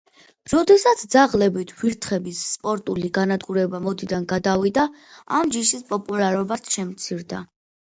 როდესაც ძაღლებით ვირთხების „სპორტული“ განადგურება მოდიდან გადავიდა, ამ ჯიშის პოპულარობაც შემცირდა.